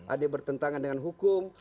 ada yang bertentangan dengan hukum